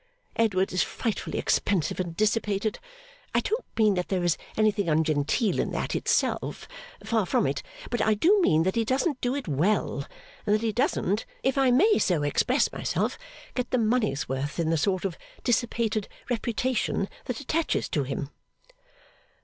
Edward is frightfully expensive and dissipated. I don't mean that there is anything ungenteel in that itself far from it but I do mean that he doesn't do it well, and that he doesn't, if I may so express myself, get the money's worth in the sort of dissipated reputation that attaches to him.